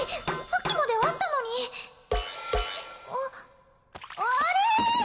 さっきまであったのにあっあれっ？